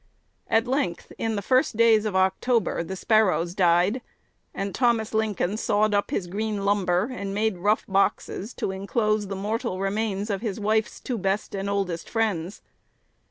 At length, in the first days of October, the Sparrows died; and Thomas Lincoln sawed up his green lumber, and made rough boxes to enclose the mortal remains of his wife's two best and oldest friends.